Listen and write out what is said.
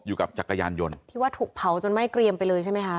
จักรยานยนต์ที่ว่าถูกเผาจนไหม้เกรียมไปเลยใช่ไหมคะ